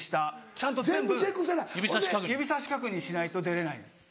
ちゃんと全部指さし確認しないと出れないんです。